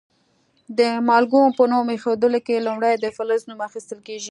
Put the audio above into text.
د مالګو په نوم ایښودلو کې لومړی د فلز نوم اخیستل کیږي.